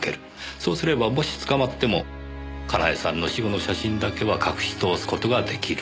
そうすればもし捕まっても佳苗さんの死後の写真だけは隠し通す事ができる。